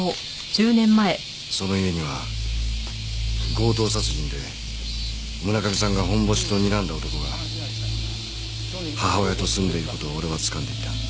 その家には強盗殺人で村上さんがホンボシと睨んだ男が母親と住んでいる事を俺はつかんでいた。